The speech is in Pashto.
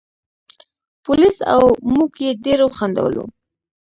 پولیس او موږ یې ډېر وخندولو.